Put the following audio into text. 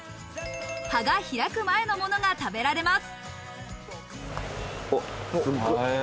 葉が開く前のものが食べられます。